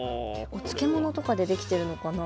お漬物とかでできているのかな？